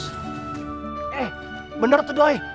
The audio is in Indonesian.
eh bener tuh doi